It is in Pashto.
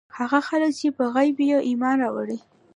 هغه خلک چې په غيبو ئې ايمان راوړی